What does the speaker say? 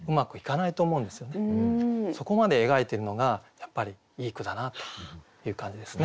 そこまで描いてるのがやっぱりいい句だなという感じですね。